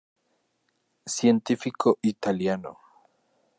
Científico italiano.